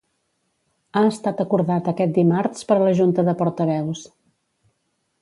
Ha estat acordat aquest dimarts per la Junta de Portaveus.